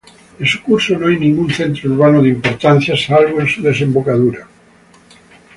En su curso no hay ningún centro urbano de importancia, salvo en su desembocadura.